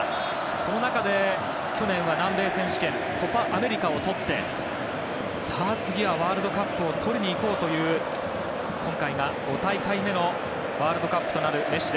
その中で、去年は南米選手権コパ・アメリカをとってさあ次はワールドカップを取りにいこうという今回が５大会目のワールドカップとなるメッシ。